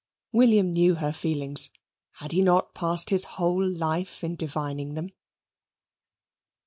William knew her feelings: had he not passed his whole life in divining them?